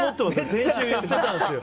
先週言ってたんですよ。